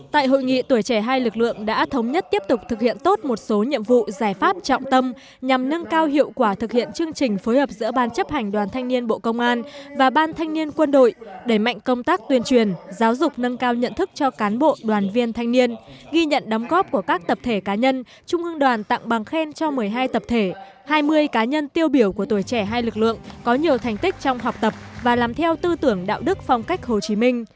tại hội nghị tuổi trẻ hai lực lượng đã thống nhất tiếp tục thực hiện tốt một số nhiệm vụ giải pháp trọng tâm nhằm nâng cao hiệu quả thực hiện chương trình phối hợp giữa ban chấp hành đoàn thanh niên bộ công an và ban thanh niên quân đội đầy mạnh công tác tuyên truyền giáo dục nâng cao nhận thức cho cán bộ đoàn viên thanh niên ghi nhận đóng góp của các tập thể cá nhân trung ương đoàn tặng bằng khen cho một mươi hai tập thể hai mươi cá nhân tiêu biểu của tuổi trẻ hai lực lượng có nhiều thành tích trong học tập và làm theo tư tưởng đạo đức phong cách hồ chí